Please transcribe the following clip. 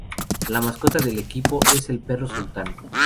La mascota del equipo es el Perro Sultán.